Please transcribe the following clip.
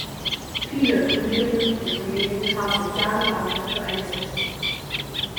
Viele Kolleginnen und Kollegen haben sich jahrelang dafür eingesetzt.